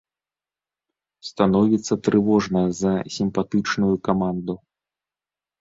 Становіцца трывожна за сімпатычную каманду.